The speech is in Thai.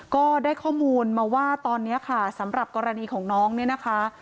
ก็ได้ข้อมูลมาว่าตอนนี้ค่ะสำหรับกรณีของน้องเนี่ยนะคะ